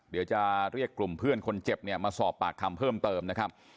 เดี๋ยวจะเรียกกลุ่มเพื่อนคนเจ็บเนี่ยมาสอบปากคำเพิ่มเติมนะครับ